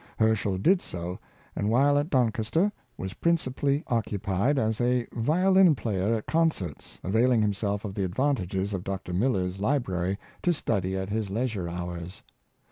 Herschel did so, and while at Doncaster was principally Sir WilUam Ucrsclid. 269 occupied as a violin player at concerts, availing himself of the advantages of Dr. Miller's library to study at his leisure hours.